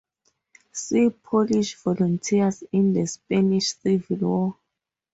See Polish Volunteers in the Spanish Civil War.